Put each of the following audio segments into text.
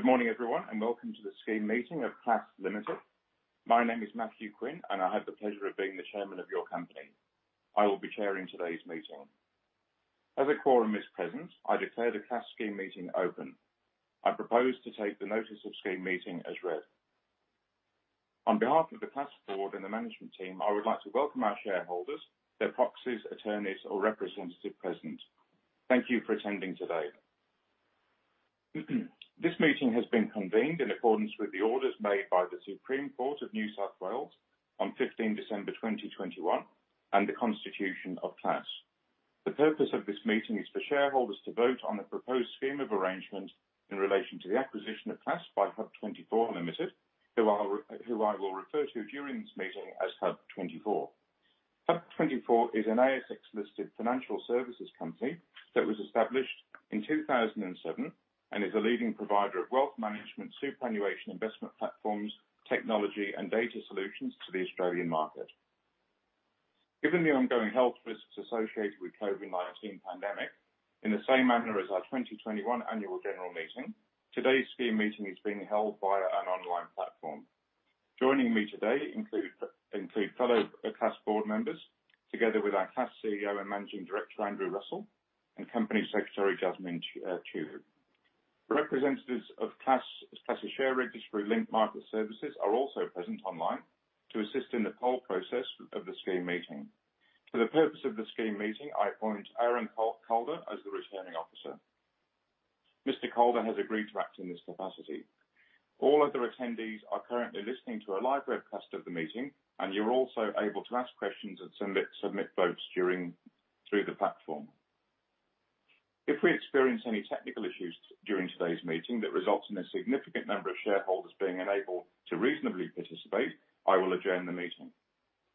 Good morning, everyone, and welcome to the Scheme Meeting of Class Limited. My name is Matthew Quinn, and I have the pleasure of being the chairman of your company. I will be chairing today's meeting. As a quorum is present, I declare the Class Scheme Meeting open. I propose to take the notice of scheme meeting as read. On behalf of the Class board and the management team, I would like to welcome our shareholders, their proxies, attorneys or representative present. Thank you for attending today. This meeting has been convened in accordance with the orders made by the Supreme Court of New South Wales on 15th December 2021 and the Constitution of Class. The purpose of this meeting is for shareholders to vote on the proposed scheme of arrangement in relation to the acquisition of Class by HUB24 Limited, who I will refer to during this meeting as HUB24. HUB24 is an ASX-listed financial services company that was established in 2007 and is a leading provider of wealth management, superannuation, investment platforms, technology and data solutions to the Australian market. Given the ongoing health risks associated with COVID-19 pandemic, in the same manner as our 2021 annual general meeting, today's scheme meeting is being held via an online platform. Joining me today include fellow Class board members, together with our Class CEO and Managing Director, Andrew Russell, and Company Secretary, Jasmin Chew. Representatives of Class' share registry Link Market Services are also present online to assist in the poll process of the scheme meeting. For the purpose of the scheme meeting, I appoint Aaron Coulter as the Returning Officer. Mr. Coulter has agreed to act in this capacity. All other attendees are currently listening to a live webcast of the meeting, and you're also able to ask questions and submit votes through the platform. If we experience any technical issues during today's meeting that results in a significant number of shareholders being unable to reasonably participate, I will adjourn the meeting.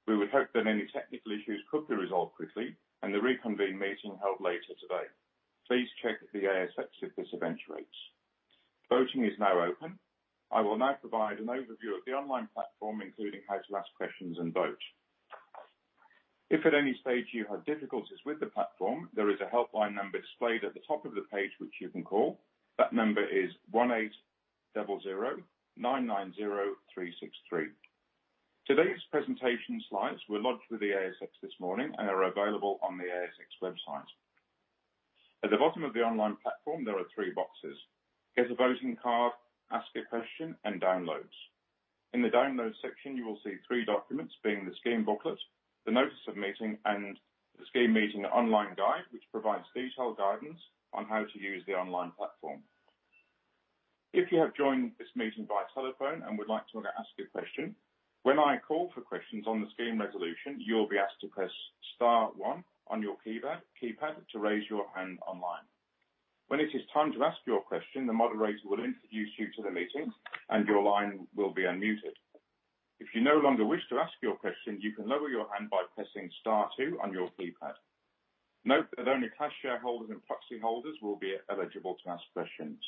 We would hope that any technical issues could be resolved quickly and the reconvened meeting held later today. Please check the ASX if this eventuates. Voting is now open. I will now provide an overview of the online platform, including how to ask questions and vote. If at any stage you have difficulties with the platform, there is a helpline number displayed at the top of the page, which you can call. That number is 1800 990 363. Today's presentation slides were lodged with the ASX this morning and are available on the ASX website. At the bottom of the online platform, there are three boxes: Get a voting card, Ask a question, and Downloads. In the Downloads section, you will see three documents being the Scheme Booklet, the Notice of Meeting, and the Scheme Meeting Online Guide, which provides detailed guidance on how to use the online platform. If you have joined this meeting via telephone and would like to ask a question, when I call for questions on the scheme resolution, you'll be asked to press star one on your keypad to raise your hand online. When it is time to ask your question, the moderator will introduce you to the meeting and your line will be unmuted. If you no longer wish to ask your question, you can lower your hand by pressing star two on your keypad. Note that only Class shareholders and proxy holders will be eligible to ask questions.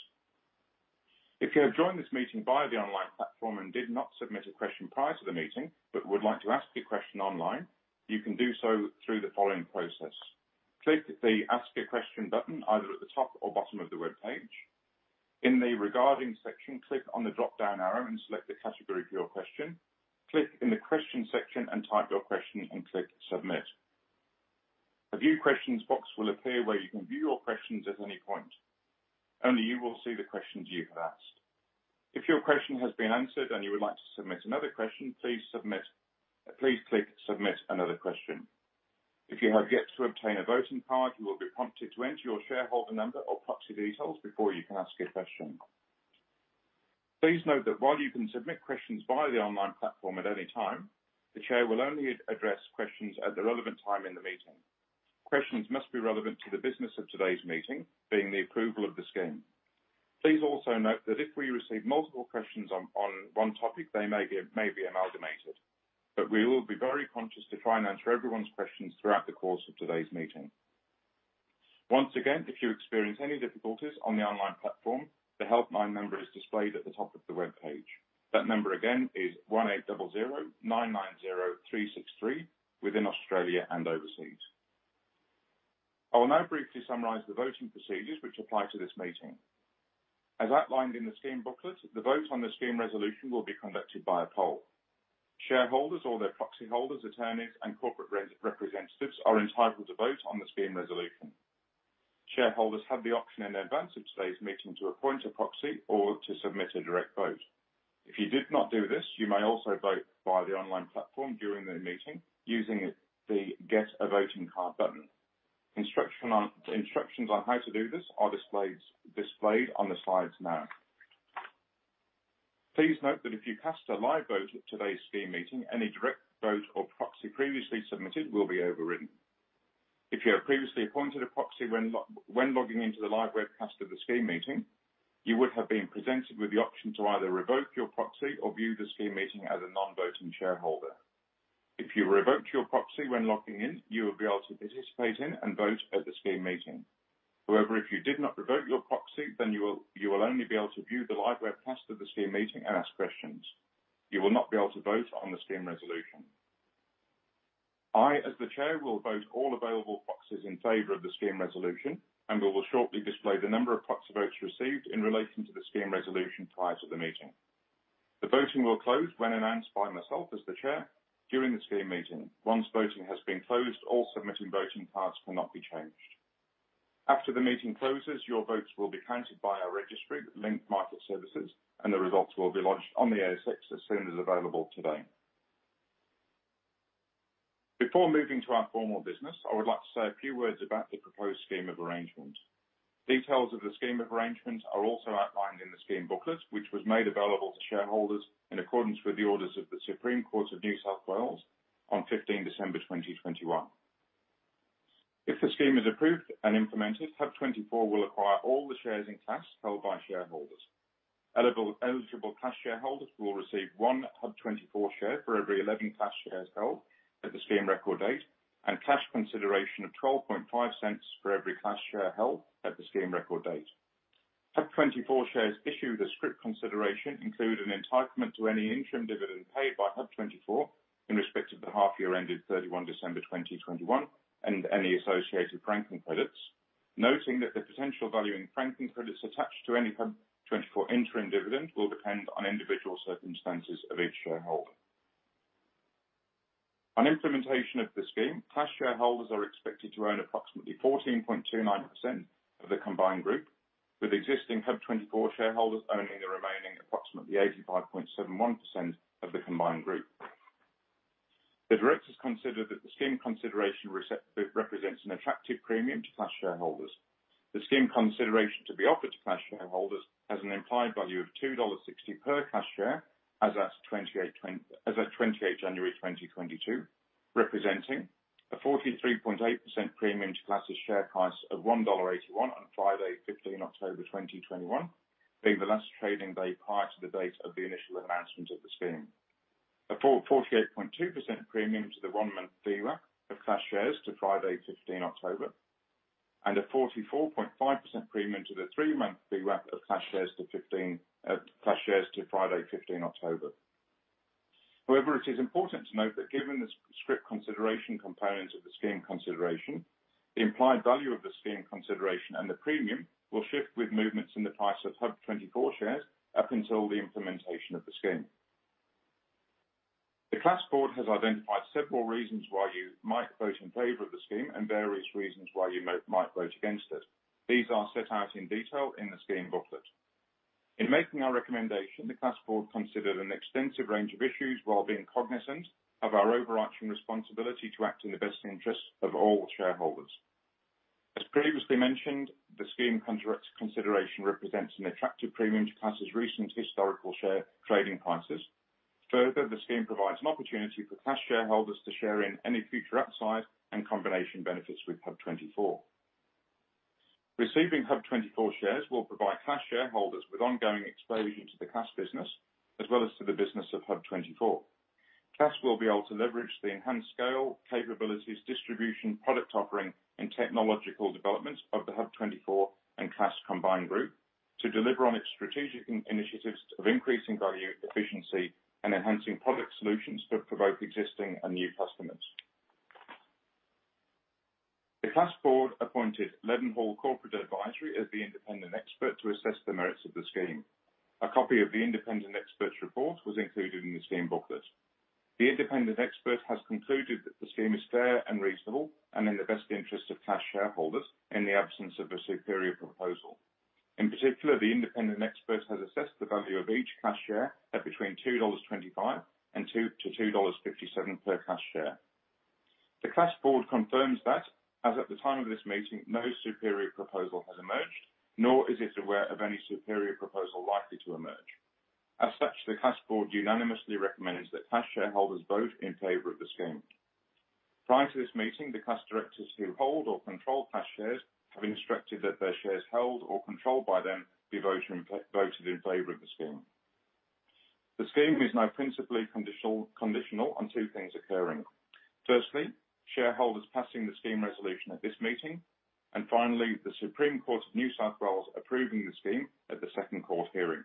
If you have joined this meeting via the online platform and did not submit a question prior to the meeting but would like to ask a question online, you can do so through the following process. Click the Ask a Question button either at the top or bottom of the webpage. In the Regarding section, click on the dropdown arrow and select the category for your question. Click in the Question section and type your question and click Submit. A View Questions box will appear where you can view your questions at any point. Only you will see the questions you have asked. If your question has been answered and you would like to submit another question, please submit. Please click Submit Another Question. If you have yet to obtain a voting card, you will be prompted to enter your shareholder number or proxy details before you can ask a question. Please note that while you can submit questions via the online platform at any time, the chair will only address questions at the relevant time in the meeting. Questions must be relevant to the business of today's meeting, being the approval of the scheme. Please also note that if we receive multiple questions on one topic, they may be amalgamated, but we will be very conscious to try and answer everyone's questions throughout the course of today's meeting. Once again, if you experience any difficulties on the online platform, the helpline number is displayed at the top of the webpage. That number again is 1800 990 363 within Australia and overseas. I will now briefly summarize the voting procedures which apply to this meeting. As outlined in the scheme booklet, the vote on the scheme resolution will be conducted by a poll. Shareholders or their proxy holders, attorneys, and corporate representatives are entitled to vote on the scheme resolution. Shareholders have the option in advance of today's meeting to appoint a proxy or to submit a direct vote. If you did not do this, you may also vote via the online platform during the meeting using the Get a Voting Card button. Instructions on how to do this are displayed on the slides now. Please note that if you cast a live vote at today's scheme meeting, any direct vote or proxy previously submitted will be overwritten. If you have previously appointed a proxy when logging into the live webcast of the scheme meeting, you would have been presented with the option to either revoke your proxy or view the scheme meeting as a non-voting shareholder. If you revoked your proxy when logging in, you will be able to participate in and vote at the scheme meeting. However, if you did not revoke your proxy, then you will only be able to view the live webcast of the scheme meeting and ask questions. You will not be able to vote on the scheme resolution. I, as the Chair, will vote all available proxies in favor of the scheme resolution, and we will shortly display the number of proxy votes received in relation to the scheme resolution prior to the meeting. The voting will close when announced by myself as the Chair during the scheme meeting. Once voting has been closed, all submitted voting cards will not be changed. After the meeting closes, your votes will be counted by our registry, Link Market Services, and the results will be announced on the ASX as soon as available today. Before moving to our formal business, I would like to say a few words about the proposed scheme of arrangement. Details of the scheme of arrangement are also outlined in the scheme booklet, which was made available to shareholders in accordance with the orders of the Supreme Court of New South Wales on 15 December 2021. If the scheme is approved and implemented, HUB24 will acquire all the shares in Class held by shareholders. Eligible Class shareholders will receive 1 HUB24 share for every 11 Class shares held at the scheme record date and cash consideration of 0.125 for every Class share held at the scheme record date. HUB24 shares issued as scrip consideration include an entitlement to any interim dividend paid by HUB24 in respect of the half year ended 31 December 2021 and any associated franking credits. Noting that the potential value in franking credits attached to any HUB24 interim dividend will depend on individual circumstances of each shareholder. On implementation of the scheme, Class shareholders are expected to own approximately 14.29% of the combined group, with existing HUB24 shareholders owning the remaining approximately 85.71% of the combined group. The directors consider that the scheme consideration represents an attractive premium to Class shareholders. The scheme consideration to be offered to Class shareholders has an implied value of 2.60 dollars per Class share as at 28 January 2022, representing a 43.8% premium to Class' share price of 1.81 dollar on Friday, 15 October 2021, being the last trading day prior to the date of the initial announcement of the scheme. A 48.2% premium to the one-month VWAP of Class shares to Friday, fifteenth October. A 44.5% premium to the three-month VWAP of Class shares to Friday, fifteenth October. However, it is important to note that given the scrip consideration components of the scheme consideration, the implied value of the scheme consideration and the premium will shift with movements in the price of HUB24 shares up until the implementation of the scheme. The Class Board has identified several reasons why you might vote in favor of the scheme and various reasons why you might vote against it. These are set out in detail in the scheme booklet. In making our recommendation, the Class Board considered an extensive range of issues while being cognizant of our overarching responsibility to act in the best interests of all shareholders. As previously mentioned, the scheme consideration represents an attractive premium to Class' recent historical share trading prices. The scheme provides an opportunity for Class shareholders to share in any future upside and combination benefits with HUB24. Receiving HUB24 shares will provide Class shareholders with ongoing exposure to the Class business, as well as to the business of HUB24. Class will be able to leverage the enhanced scale, capabilities, distribution, product offering, and technological developments of the HUB24 and Class combined group to deliver on its strategic initiatives of increasing value, efficiency, and enhancing product solutions that provide for existing and new customers. The Class board appointed Leadenhall Corporate Advisory as the independent expert to assess the merits of the scheme. A copy of the independent expert's report was included in the scheme booklet. The independent expert has concluded that the scheme is fair and reasonable and in the best interest of Class shareholders in the absence of a superior proposal. In particular, the independent expert has assessed the value of each Class share at between 2.25-2.57 dollars per Class share. The Class board confirms that, as at the time of this meeting, no superior proposal has emerged, nor is it aware of any superior proposal likely to emerge. As such, the Class board unanimously recommends that Class shareholders vote in favor of the scheme. Prior to this meeting, the Class directors who hold or control Class shares have instructed that their shares held or controlled by them be voted in favor of the scheme. The scheme is now principally conditional on two things occurring. Firstly, shareholders passing the scheme resolution at this meeting. Finally, the Supreme Court of New South Wales approving the scheme at the second court hearing.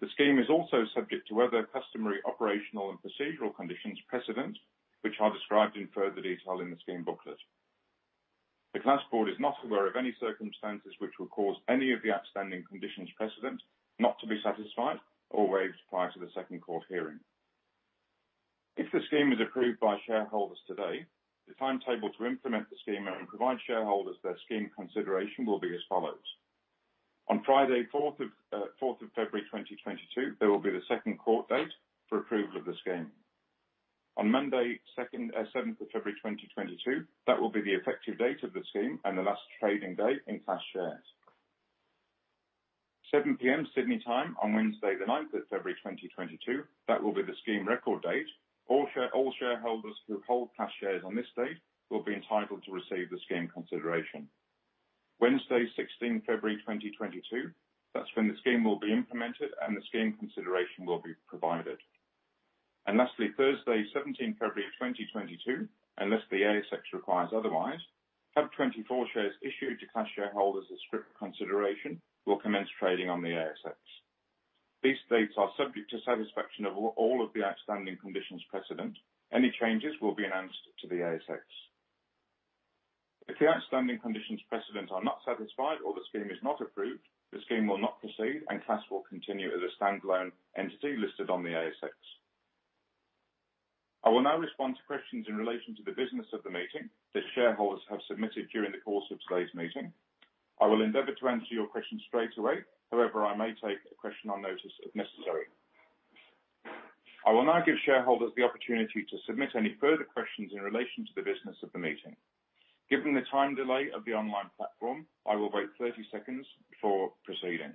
The scheme is also subject to other customary operational and procedural conditions precedent, which are described in further detail in the scheme booklet. The Class board is not aware of any circumstances which will cause any of the outstanding conditions precedent not to be satisfied or waived prior to the second court hearing. If the scheme is approved by shareholders today, the timetable to implement the scheme and provide shareholders their scheme consideration will be as follows. On Friday, fourth of February 2022, there will be the second court date for approval of the scheme. On Monday, seventh of February 2022, that will be the effective date of the scheme and the last trading day in Class shares. 7 P.M. Sydney time on Wednesday the ninth of February 2022, that will be the scheme record date. All shareholders who hold Class shares on this date will be entitled to receive the scheme consideration. Wednesday, sixteenth February 2022, that's when the scheme will be implemented, and the scheme consideration will be provided. Lastly, Thursday, seventeenth February 2022, unless the ASX requires otherwise, HUB24 shares issued to Class shareholders as scrip consideration will commence trading on the ASX. These dates are subject to satisfaction of all of the outstanding conditions precedent. Any changes will be announced to the ASX. If the outstanding conditions precedent are not satisfied or the scheme is not approved, the scheme will not proceed, and Class will continue as a standalone entity listed on the ASX. I will now respond to questions in relation to the business of the meeting that shareholders have submitted during the course of today's meeting. I will endeavor to answer your question straight away. However, I may take a question on notice if necessary. I will now give shareholders the opportunity to submit any further questions in relation to the business of the meeting. Given the time delay of the online platform, I will wait 30 seconds before proceeding.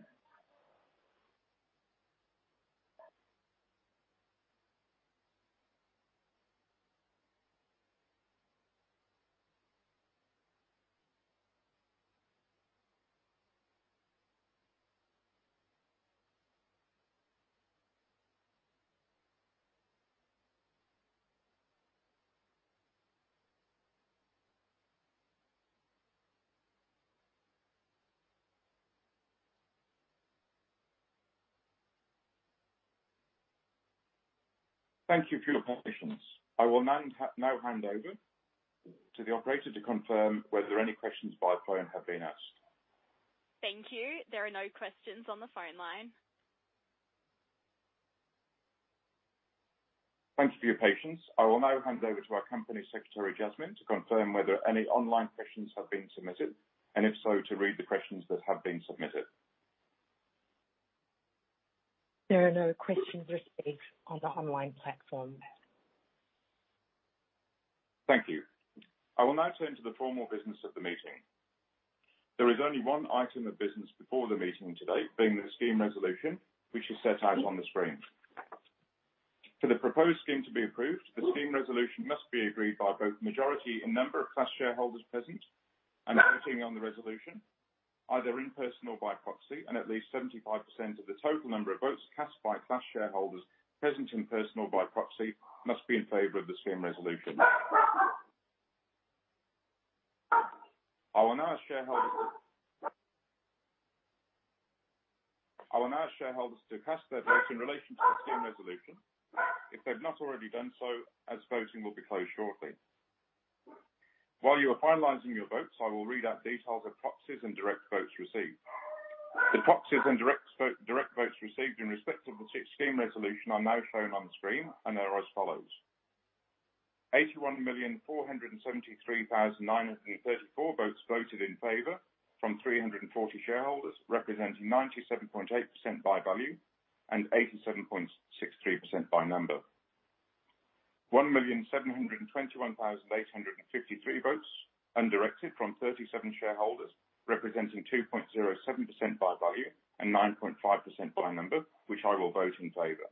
Thank you for your patience. I will now hand over to the operator to confirm whether any questions by phone have been asked. Thank you. There are no questions on the phone line. Thank you for your patience. I will now hand over to our Company Secretary, Jasmin, to confirm whether any online questions have been submitted, and if so, to read the questions that have been submitted. There are no questions received on the online platform. Thank you. I will now turn to the formal business of the meeting. There is only one item of business before the meeting today, being the scheme resolution, which is set out on the screen. For the proposed scheme to be approved, the scheme resolution must be agreed by both majority and number of Class shareholders present and voting on the resolution, either in person or by proxy. At least 75% of the total number of votes cast by Class shareholders present in person or by proxy must be in favor of the scheme resolution. I will now ask shareholders to cast their vote in relation to the scheme resolution, if they've not already done so, as voting will be closed shortly. While you are finalizing your votes, I will read out details of proxies and direct votes received. The proxies and direct votes received in respect of the scheme resolution are now shown on screen and are as follows: 81,473,934 votes voted in favor from 340 shareholders, representing 97.8% by value and 87.63% by number. 1,721,853 votes undirected from 37 shareholders, representing 2.07% by value and 9.5% by number, which I will vote in favor.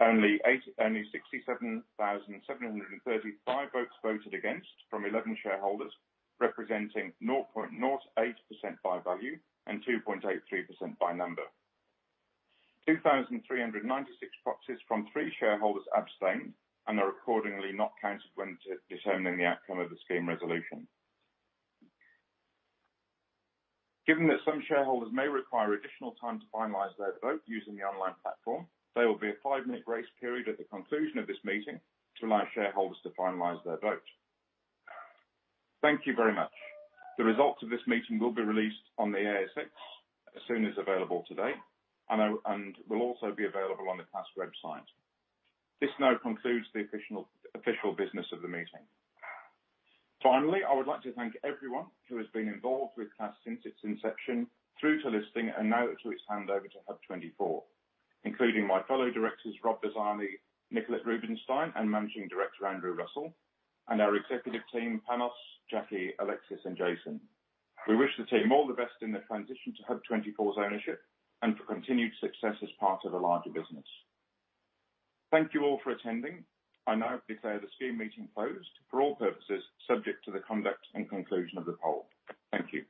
Only 67,735 votes voted against from 11 shareholders, representing 0.08% by value and 2.83% by number. 2,396 proxies from three shareholders abstained and are accordingly not counted when determining the outcome of the scheme resolution. Given that some shareholders may require additional time to finalize their vote using the online platform, there will be a 5-minute grace period at the conclusion of this meeting to allow shareholders to finalize their vote. Thank you very much. The results of this meeting will be released on the ASX as soon as available today and will also be available on the Class website. This now concludes the official business of the meeting. Finally, I would like to thank everyone who has been involved with Class since its inception through to listing and now to its handover to HUB24. Including my fellow directors, Rob Bazzani, Nicolette Rubinsztein, and Managing Director, Andrew Russell, and our executive team, Panos, Jackie, Alexis, and Jasmin. We wish the team all the best in their transition to HUB24's ownership and for continued success as part of a larger business. Thank you all for attending. I now declare the scheme meeting closed for all purposes, subject to the conduct and conclusion of the poll. Thank you.